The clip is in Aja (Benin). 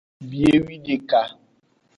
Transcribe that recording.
Biewideka.